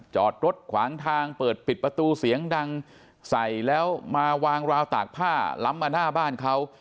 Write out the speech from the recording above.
จอดรถขวางทางเปิดปิดประตูเสียงดังใส่แล้วมาวางราวตากผ้าล้ำมาหน้าบ้านเขา